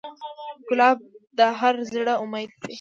ګلاب د هر زړه امید ده.